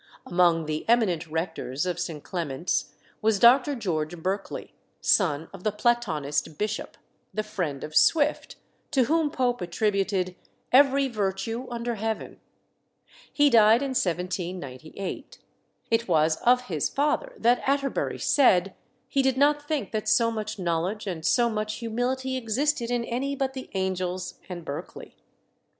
Among the eminent rectors of St. Clement's was Dr. George Berkeley, son of the Platonist bishop, the friend of Swift, to whom Pope attributed "every virtue under heaven." He died in 1798. It was of his father that Atterbury said, he did not think that so much knowledge and so much humility existed in any but the angels and Berkeley.